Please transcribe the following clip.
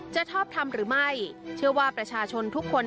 จะชอบทำหรือไม่เชื่อว่าประชาชนทุกคน